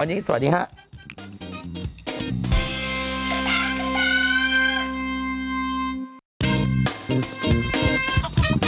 วันนี้สวัสดีครับ